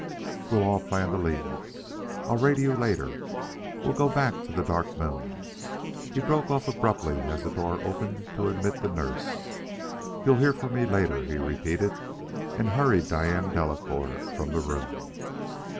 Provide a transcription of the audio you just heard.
"We'll all plan to leave; I'll radio you later. We'll go back to the Dark Moon " He broke off abruptly as the door opened to admit the nurse. "You'll hear from me later," he repeated; and hurried Diane Delacouer from the room.